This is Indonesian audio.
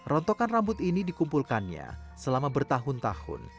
rontokan rambut ini dikumpulkannya selama bertahun tahun